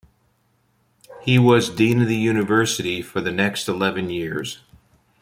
He was Dean of the University for the next eleven years.